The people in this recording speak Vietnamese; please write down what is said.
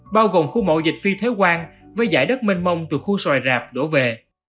bao gồm khu mộ dịch phi thế quan với dải đất mênh mông từ khu xoài rạp đổ về